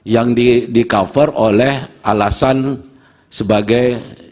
yang di cover oleh alasan sebagai